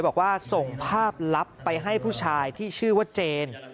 บอกว่าส่งภาพลับไปให้ผู้ชายที่ชื่อว่าเจน